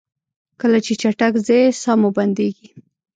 کله چې چټک ځئ ساه مو بندیږي؟